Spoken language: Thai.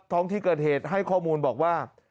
ท้องที่เกิดเหตุให้ข้อมูลบอกว่า